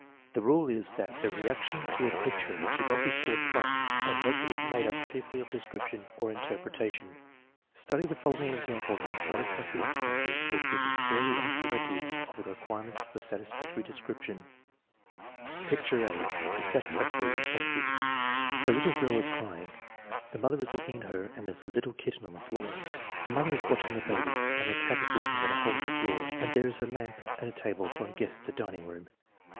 The rule is that the reaction to a picture should not be scored plus unless it is made up chiefly of description (or interpreta tion). Study of the following samples of satisfactory responses TEST NO. VH, 2 191 will give a fairly definite idea of the requirements for satis factory description: Picture (a): satisfactory responses "The little girl is crying. The mother is looking at her and there is a little kitten on the floor." "The mother is watching the baby, and the cat is looking at a hole in the floor, and there is a lamp and a table so I guess it's a dining room."